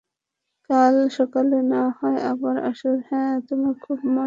কাল সকালে না হয় আবার আসব হ্যাঁ, তোমার খুব মজা লাগছে।